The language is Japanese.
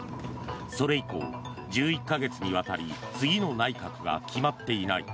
それ以降、１１か月にわたり次の内閣が決まっていない。